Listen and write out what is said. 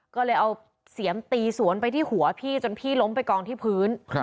ก็เลยเอาเสียมตีสวนไปที่หัวพี่จนพี่ล้มไปกองที่พื้น